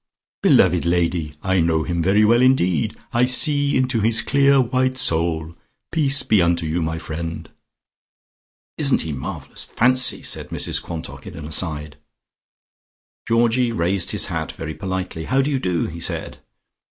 "Beloved lady, I know him very well indeed. I see into his clear white soul. Peace be unto you, my friend." "Isn't he marvellous? Fancy!" said Mrs Quantock, in an aside. Georgie raised his hat very politely. "How do you do?" he said.